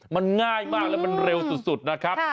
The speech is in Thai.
มันง่ายมากแล้วมันเร็วสุดนะครับ